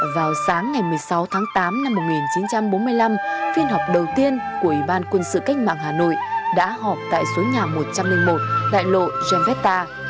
vào sáng ngày một mươi sáu tháng tám năm một nghìn chín trăm bốn mươi năm phiên họp đầu tiên của ủy ban quân sự cách mạng hà nội đã họp tại số nhà một trăm linh một đại lộ jamfta